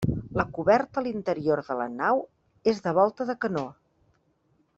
La coberta a l'interior de la nau és de volta de canó.